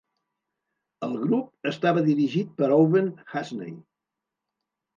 El grup estava dirigit per Owen Husney.